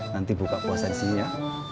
nanti buka puasa disini ya